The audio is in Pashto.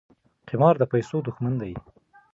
قمار د پیسو دښمن دی.